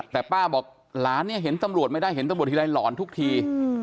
แต่ป้าบอกหลานเนี่ยเห็นตำรวจไม่ได้เห็นตำรวจทีไรหลอนทุกที